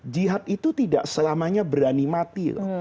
jihad itu tidak selamanya berani mati loh